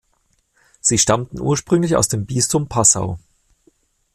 Sie stammten ursprünglich aus dem Bistum Passau.